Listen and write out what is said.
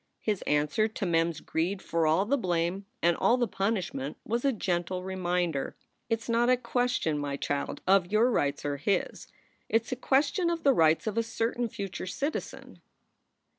His answer to Mem s greed for all the blame and all the punishment was a gentle reminder: "It s not a question, my child, of your rights or his. It s a question of the rights of a certain future citizen.